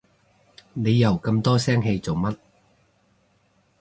你又咁多聲氣做乜？